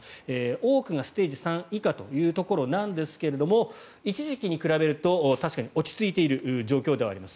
多くがステージ３以下というところなんですが一時期に比べると確かに落ち着いている状況ではあります。